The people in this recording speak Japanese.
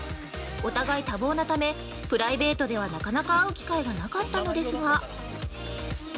お互い多忙なため、プライベートでは、なかなか会う機会がなかったのですが。